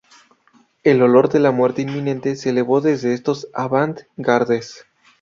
El olor de la muerte inminente se elevó desde estos "avant-gardes".